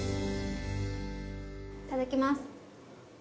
いただきます。